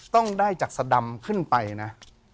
ต้องได้จากสดำขึ้นไปนะ